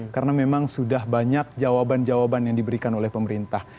karena memang sudah banyak jawaban jawaban yang diberikan oleh pemerintah